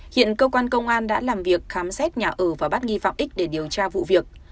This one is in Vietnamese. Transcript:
hiện cơ quan công an đã làm việc khám xét nhà ở và bắt nghi phạm x để điều tra vụ việc